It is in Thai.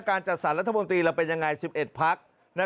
การจัดสรรลัฐบาลมเราเป็นยังไง๑๑พัก